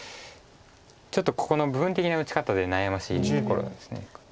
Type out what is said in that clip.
ちょっとここの部分的な打ち方で悩ましいところなんです。